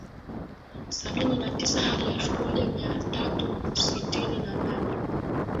Sabini na tisa hadi elfu moja mia tatu sitini na nane